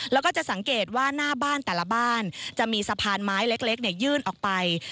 แล้วก็จะสังเกตว่าหน้าบ้านแต่ละบ้านจะมีสะพานไม้เล็กยื่นออกไป